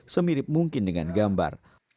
semirip mungkin dengan gambar